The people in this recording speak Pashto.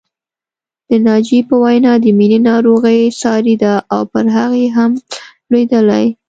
د ناجيې په وینا د مینې ناروغي ساري ده او پر هغې هم لوېدلې